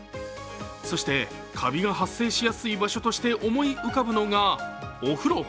そしてカビが発生しやすい場所として思い浮かぶのがお風呂。